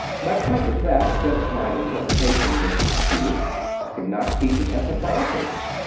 My point was that, since my interpretation was disputed, I could not teach it as authoritative.